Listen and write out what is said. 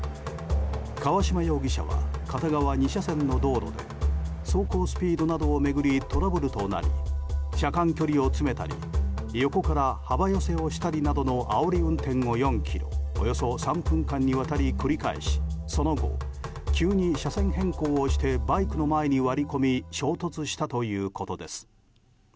川島容疑者は片側２車線の道路で走行スピードなどを巡りトラブルとなり車間距離を詰めたり横から幅寄せをしたりあおり運転を４ｋｍおよそ３分間にわたり繰り返しその後、急に車線変更をしてバイクの前に割り込み衝突したということです。